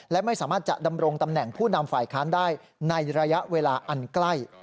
และไม่สามารถจะดำรงตำแหน่งผู้นำฝ่ายค้านได้ในระยะเวลาอันใกล้